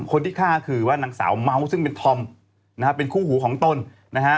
คนที่ฆ่าคือว่านางสาวเมาส์ซึ่งเป็นธอมนะฮะเป็นคู่หูของตนนะฮะ